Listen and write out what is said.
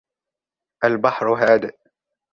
البحر هادئ.